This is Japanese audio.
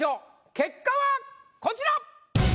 結果はこちら！